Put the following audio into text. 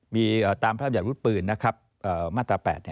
มีตามพระราชญาติวุทธปืนนะครับมาตรปแปด